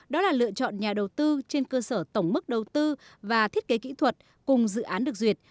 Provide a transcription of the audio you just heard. đó là lựa chọn nhà đầu tư trên cơ sở tổng mức đầu tư và thiết kế kỹ thuật cùng dự án được duyệt